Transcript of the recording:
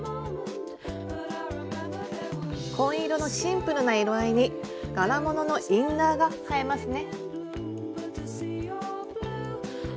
紺色のシンプルな色合いに柄物のインナーが映えますね。